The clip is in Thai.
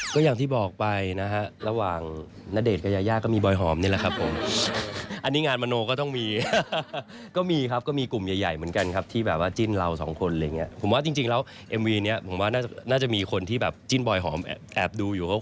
เพราะว่าพอสมควรมันจะไม่มีคอมเบอดี้เหมือนชีวิตจริงที่เราเล่นกันอยู่แล้ว